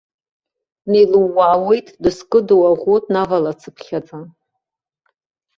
Днеилууауеит дызкыду аӷәы днавалацыԥхьаӡа.